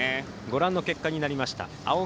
ご覧の結果になりました。